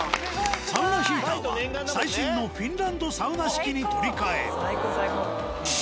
サウナヒーターは最新のフィンランドサウナ式に取り換え。